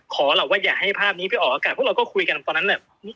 หรอกว่าอย่าให้ภาพนี้ไปออกอากาศพวกเราก็คุยกันตอนนั้นน่ะ